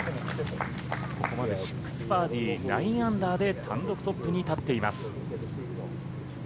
ここまで６バーディー、９アンダーで単独トップに立っています。